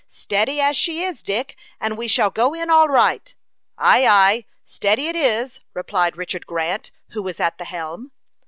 "Steady as she is, Dick, and we shall go in all right." "Ay, ay; steady it is," replied Richard Grant, who was at the helm.